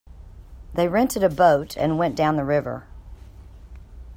They rented a boat and went down the river.